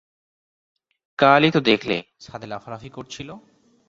কালই তো দেখলে ছাদে লাফালাফি করছিল।